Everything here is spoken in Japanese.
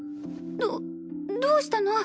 どどうしたの？